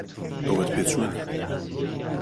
ئەوەت پێ چۆنە؟